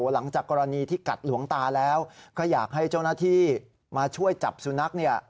หลังจากกรณีที่กัดหลวงตาแล้วก็อยากให้เจ้าหน้าที่มาช่วยจับสุนัขเนี่ย